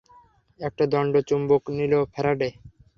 একটা দণ্ড চুম্বক নিলেন ফ্যারাডে।